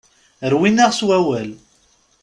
Rwin-aɣ s wawal.